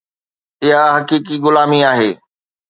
اها حقيقي غلامي آهي.